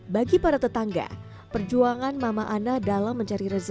bagi para tetangga perjuangan mama ana dalam memperbaiki keuntungan